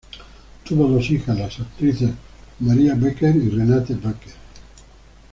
Tuvo dos hijas, las actrices Maria Becker y Renate Becker.